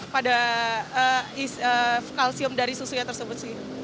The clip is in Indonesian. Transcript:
pada kalsium dari susunya tersebut sih